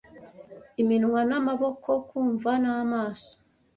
iminwa n'amaboko kumva n'amaso